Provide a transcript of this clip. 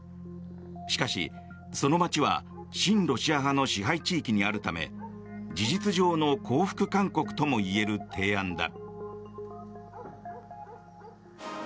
しかし、その街は親ロシア派の支配地域にあるため事実上の降伏勧告ともいえる提案だ。